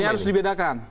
ini harus dibedakan